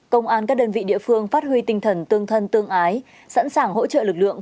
công an các đơn vị địa phương phát huy tinh thần tương thân tương ái sẵn sàng hỗ trợ lực lượng